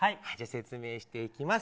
説明していきます。